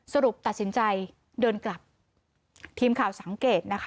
สรุปตัดสินใจเดินกลับทีมข่าวสังเกตนะคะ